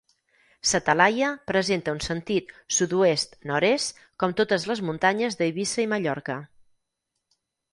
Sa Talaia presenta un sentit sud-oest nord-est, com totes les muntanyes d'Eivissa i Mallorca.